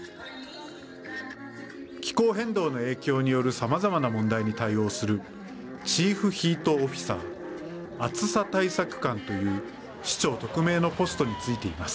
気候変動の影響によるさまざまな問題に対応するチーフ・ヒート・オフィサー＝暑さ対策官という市長特命のポストに就いています。